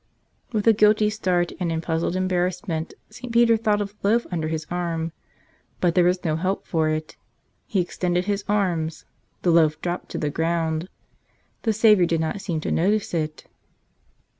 With a guilty start and in puzzled embarrassment, St. Peter thought of the loaf under his arm. But there was no help for it. He extended his arms; the loaf dropped to the ground. The Savior did not seem to notice it.